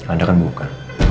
anda akan buka